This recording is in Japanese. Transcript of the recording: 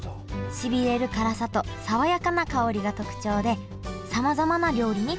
しびれる辛さと爽やかな香りが特徴でさまざまな料理に使われてきました